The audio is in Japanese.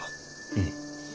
うん。